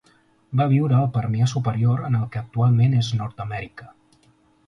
Va viure al Permià superior en el que actualment és Nord-amèrica.